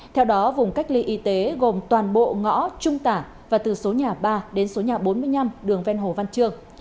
theo đó vùng cách ly y tế gồm toàn bộ ngõ trung tả và từ số nhà ba đến số nhà bốn mươi năm đường ven hồ văn trương